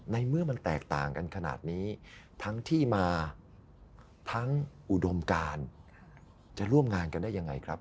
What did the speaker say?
ในเมื่อมันแตกต่างกันขนาดนี้ทั้งที่มาทั้งอุดมการจะร่วมงานกันได้ยังไงครับ